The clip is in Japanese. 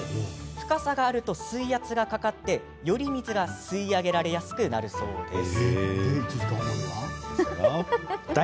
深さがあると、水圧がかかりより水が吸い上げられやすくなるそうです。